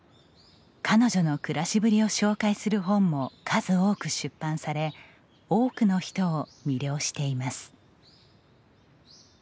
彼女の暮らしぶりを紹介する本も数多く出版され多くの人を魅了しています。